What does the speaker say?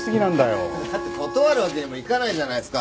だって断るわけにもいかないじゃないですか。